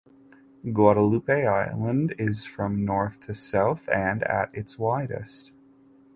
Guadalupe Island is from north to south and at its widest.